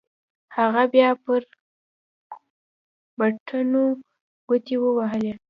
هغه بيا پر بټنو گوټې ووهلې.